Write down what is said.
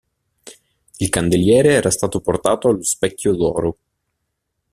Il candeliere era stato portato allo Specchio d'Oro.